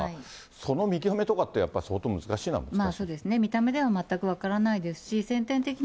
その見極めとかって相当難しいんですか。